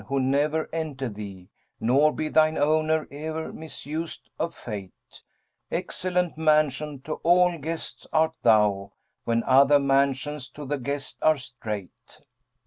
woe ne'er enter thee; * Nor be thine owner e'er misused of Fate Excellent mansion to all guests art thou, * When other mansions to the guest are strait.'